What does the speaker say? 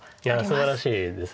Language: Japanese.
すばらしいです。